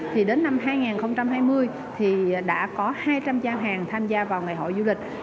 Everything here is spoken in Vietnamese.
thì đến năm hai nghìn hai mươi thì đã có hai trăm linh giao hàng tham gia vào ngày hội du lịch